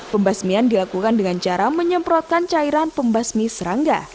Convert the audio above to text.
pembasmian dilakukan dengan cara menyemprotkan cairan pembasmi serangga